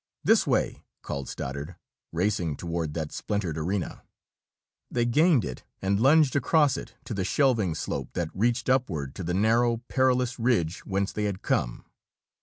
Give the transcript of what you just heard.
"This way!" called Stoddard, racing toward that splintered arena. They gained it and lunged across it to the shelving slope that reached upward to the narrow, perilous ridge whence they had come.